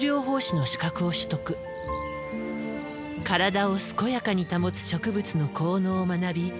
体を健やかに保つ植物の効能を学び